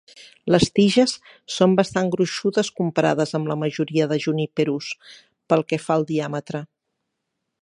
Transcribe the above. Les tiges són bastant gruixudes comparades amb la majoria de 'juniperus', pel que fa al diàmetre.